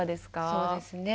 そうですね。